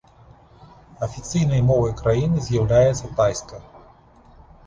Афіцыйнай мовай краіны з'яўляецца тайская.